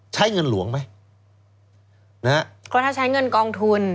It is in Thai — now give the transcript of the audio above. ใช้เงินหลวงไหมนะฮะก็ถ้าใช้เงินกองทุน